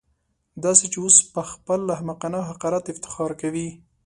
داسې چې اوس پهخپل احمقانه حقارت افتخار کوي.